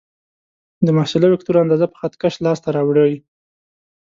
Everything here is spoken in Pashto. د محصله وکتور اندازه په خط کش لاس ته راوړئ.